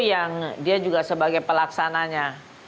yang dia juga sebagai pelaksananya